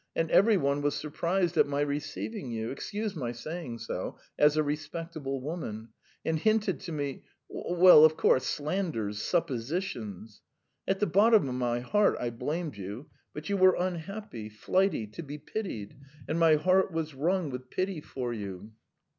And every one was surprised at my receiving you, excuse my saying so, as a respectable woman, and hinted to me ... well, of course, slanders, suppositions. ... At the bottom of my heart I blamed you, but you were unhappy, flighty, to be pitied, and my heart was wrung with pity for you."